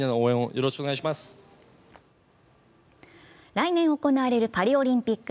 来年行われるパリオリンピック。